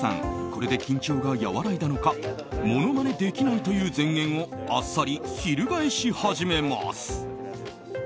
これで緊張が和らいだのかものまねできないという前言をあっさりひるがえし始めます。